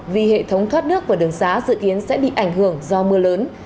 vì hệ thống thoát nước và đường xá dự kiến sẽ bị ảnh hưởng do mưa lớn